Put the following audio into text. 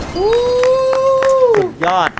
สุดยอด